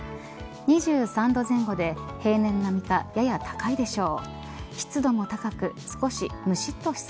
２３度前後で平年並みか、やや高いでしょう。